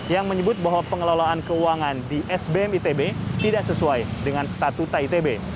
yang menyebut bahwa pengelolaan keuangan di sbm itb tidak sesuai dengan statuta itb